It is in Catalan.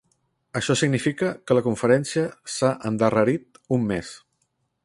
Això significa que la conferència s'ha endarrerit un mes.